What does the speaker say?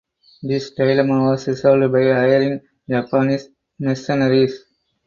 This dilemma was resolved by hiring Japanese mercenaries.